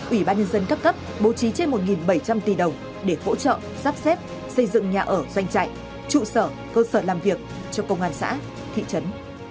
ủy ban nhân dân cấp cấp bố trí trên một bảy trăm linh tỷ đồng để hỗ trợ sắp xếp xây dựng nhà ở doanh trại trụ sở cơ sở làm việc cho công an xã thị trấn